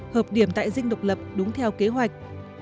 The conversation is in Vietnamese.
hợp điểm tại dinh độc lập đúng theo kế hoạch